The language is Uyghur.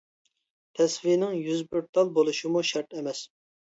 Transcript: تەسۋىنىڭ يۈز بىر تال بولۇشىمۇ شەرت ئەمەس.